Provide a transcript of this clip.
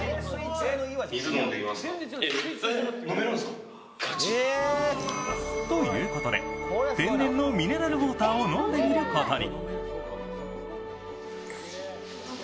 水、飲んでみますか？ということで、天然のミネラルウォーターを飲んでみることに。